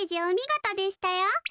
お見事でしたよ。